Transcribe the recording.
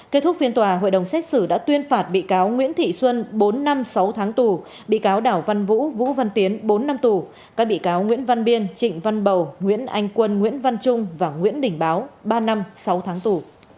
kết thúc phiên tòa hội đồng xét xử đã tuyên phạt bị cáo nguyễn thị xuân bốn năm sáu tháng tù bị cáo đảo văn vũ vũ văn tiến bốn năm tù các bị cáo nguyễn văn biên trịnh văn bầu nguyễn anh quân nguyễn văn trung và nguyễn đình báo ba năm sáu tháng tù